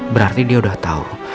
berarti dia udah tau